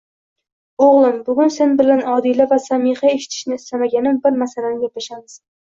— O'g'lim, bugun sen bilan Odila va Samixa eshitishini istamaganim bir masalani gaplashamiz.